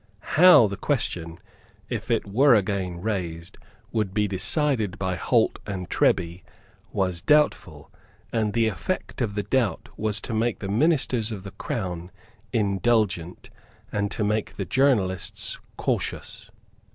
How the question, if it were again raised, would be decided by Holt and Treby was doubtful; and the effect of the doubt was to make the ministers of the Crown indulgent and to make the journalists cautious.